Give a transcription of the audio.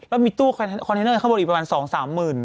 แล้วมีตู้คอนเทนเนอร์เข้ามาอีกประมาณ๒๓หมื่น